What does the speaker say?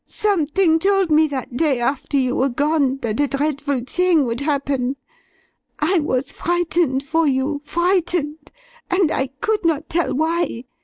Something told me that day, after you were gone, that a dreadful thing would happen. I was frightened for you frightened! And I could not tell why!